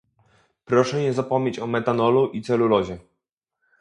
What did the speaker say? Proszę nie zapomnieć o metanolu i celulozie!